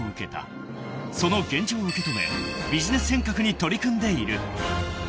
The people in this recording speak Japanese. ［その現状を受け止めビジネス変革に取り組んでいる］